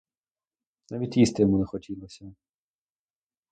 Навіть їсти йому не хотілося.